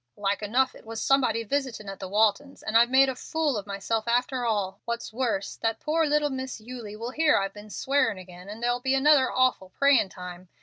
"Like enough it was somebody visitin' at the Walton's, and I've made a fool of myself after all. What's worse, that poor little Miss Eulie will hear I've been swearin' agin, and there'll be another awful prayin' time.